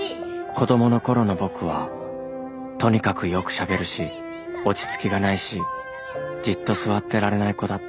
子供のころの僕はとにかくよくしゃべるし落ち着きがないしじっと座ってられない子だった